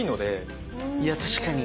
いや確かに。